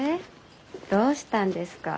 どうしたんですか？